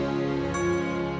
sampai jumpa lagi